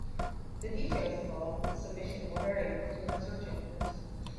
The details involved with submission will vary with the different search engines.